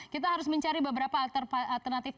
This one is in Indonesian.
kita harus mencari beberapa alternatif